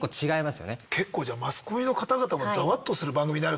結構じゃあマスコミの方々もざわっとする番組である可能性。